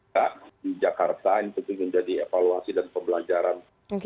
ya di jakarta ini tentu menjadi evaluasi dan pembelajaran